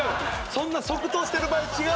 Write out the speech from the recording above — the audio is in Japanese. そんな即答してる場合違うで！